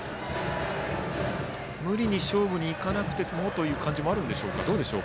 無理に勝負に行かなくてもという感じがあるんでしょうか。